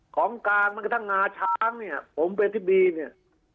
ของการมันก็ทั้งงาช้างเนี่ยผมเป็นที่ดีเนี่ย